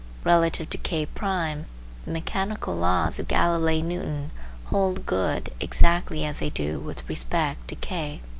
Relative to K1 the mechanical laws of Galilei Newton hold good exactly as they do with respect to K.